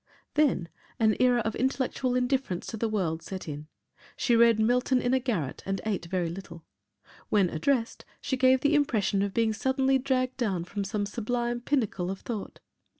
Then an era of intellectual indifference to the world set in. She read Milton in a garret and ate very little. When addressed, she gave the impression of being suddenly dragged down from some sublime pinnacle of thought.